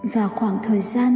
và khoảng thời gian